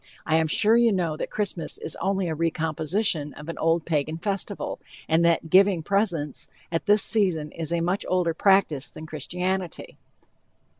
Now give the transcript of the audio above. I am sure you know that Christmas is only a recomposition of an old Pagan festival, and that "giving presents" at this season is a much older practice than Christianity.